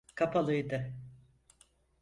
Kapalıydı.